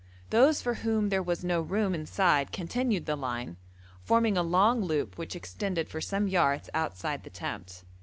Those for whom there was no room inside continued the line, forming a long loop which extended for some yards outside the tent.